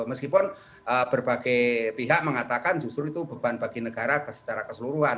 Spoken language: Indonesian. meskipun berbagai pihak mengatakan justru itu beban bagi negara secara keseluruhan